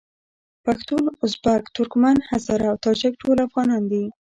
پښتون، ازبک، ترکمن، هزاره او تاجک ټول افغانان دي.